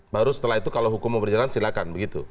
baru setelah itu kalau hukum mau berjalan silakan begitu